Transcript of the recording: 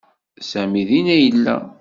Sami dinna i yella.